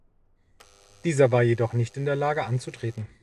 Dieser war jedoch nicht in der Lage anzutreten.